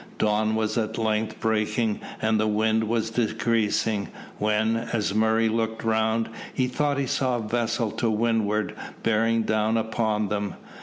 Dawn was at length breaking and the wind was decreasing, when, as Murray looked around, he thought he saw a vessel to windward bearing down upon them.